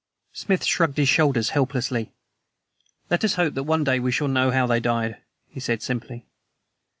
Smith shrugged his shoulders helplessly. "Let us hope that one day we shall know how they died," he said simply.